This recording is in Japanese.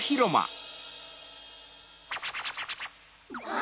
あ！